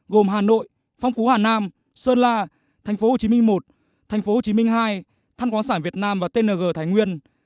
gồm hà nội phong phú hà nam sơn la tp hcm i tp hcm ii thăn quán sản việt nam và tng thái nguyên